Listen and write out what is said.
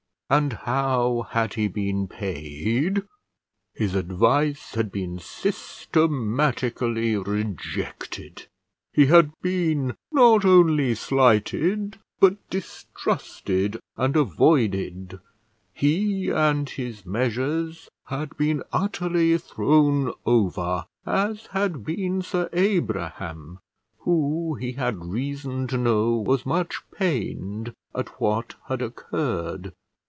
And how had he been paid? His advice had been systematically rejected; he had been not only slighted, but distrusted and avoided; he and his measures had been utterly thrown over, as had been Sir Abraham, who, he had reason to know, was much pained at what had occurred.